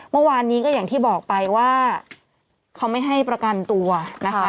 เมื่อวานนี้ก็อย่างที่บอกไปว่าเขาไม่ให้ประกันตัวนะคะ